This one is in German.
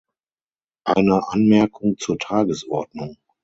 Eine Anmerkung zur Tagesordnung.